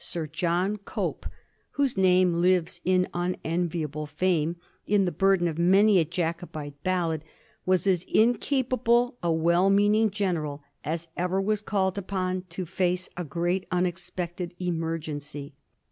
Sir John Cope, whose name lives in unenviable fame in the burden of many a Jacobite ballad, was as incapable a well meaning general as ever was called upon to face a great unexpected emergency.